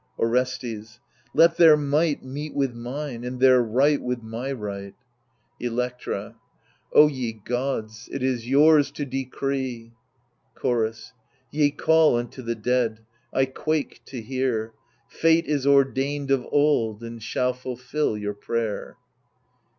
Orestes Let their might meet with mine, and tlieir right with my right. THE LIBATION BEARERS 103 Electra O ye Gods, it is yours to decree. Chorus Ye call unto the dead ; I quake to hear. Fate is ordained of old, and shall fulfil your prayer.